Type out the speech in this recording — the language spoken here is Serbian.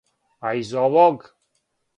А из овог?